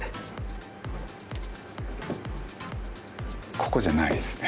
ここじゃないっすね？